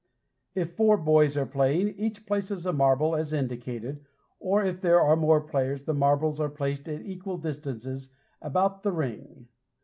If four boys are playing, each places a marble, as indicated, or if there are more players the marbles are placed at equal distances about the ring.